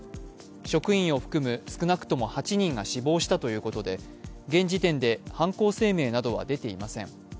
職員を含む少なくとも８人が死亡したということで現時点で犯行声明などは出ていません。